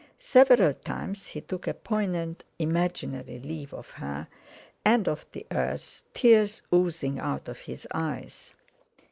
Several times he took a poignant imaginary leave of her and of the earth, tears oozing out of his eyes.